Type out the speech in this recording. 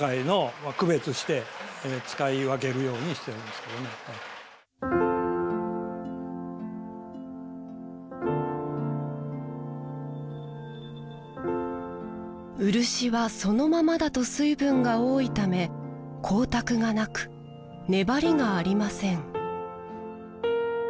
それを私のとこでは漆はそのままだと水分が多いため光沢がなく粘りがありません